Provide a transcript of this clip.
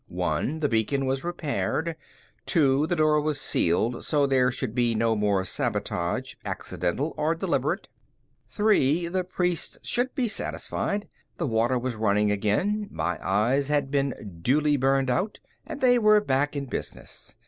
One: The beacon was repaired. Two: The door was sealed, so there should be no more sabotage, accidental or deliberate. Three: The priests should be satisfied. The water was running again, my eyes had been duly burned out, and they were back in business.